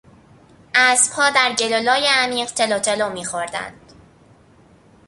اسبها در گل و لای عمیق تلو تلو میخوردند.